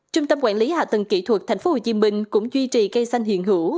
trung tâm quản lý hạ tầng kỹ thuật tp hcm cũng duy trì cây xanh hiện hữu